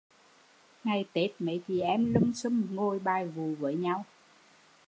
Ngày Tết mấy chị em lum xum ngồi bài vụ với nhau